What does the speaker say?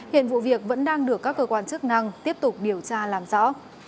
hiện vụ việc vẫn đang được các cơ quan chức năng tiếp tục điều tra làm rõ